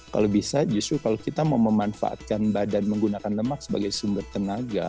kalau bisa justru kalau kita mau memanfaatkan badan menggunakan lemak sebagai sumber tenaga